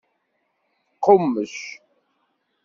Qummec.